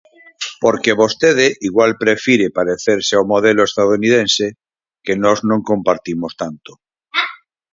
Porque vostede igual prefire parecerse ao modelo estadounidense, que nos non compartimos tanto.